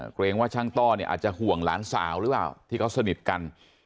เกรงว่าช่างต้อเนี่ยอาจจะห่วงหลานสาวหรือเปล่าที่เขาสนิทกัน